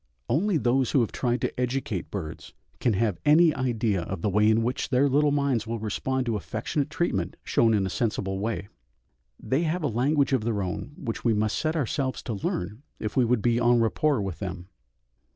Only those who have tried to educate birds can have any idea of the way in which their little minds will respond to affectionate treatment shown in a sensible way. They have a language of their own which we must set ourselves to learn if we would be en rapport with them.